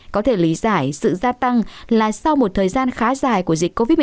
có thể lý giải sự gia tăng là sau một thời gian khá dài của dịch covid một mươi